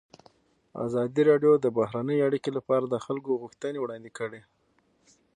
ازادي راډیو د بهرنۍ اړیکې لپاره د خلکو غوښتنې وړاندې کړي.